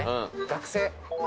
学生